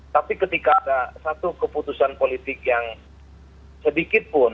tapi ketika ada satu keputusan politik yang sedikit pun